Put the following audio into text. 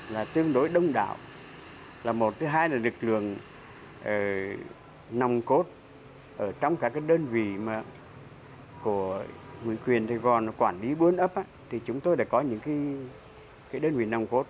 là tương đối đông đảo là một thứ hai là lực lượng nồng cốt ở trong các cái đơn vị của nguyên quyền tây gòn quản lý bốn ấp thì chúng tôi đã có những cái đơn vị nồng cốt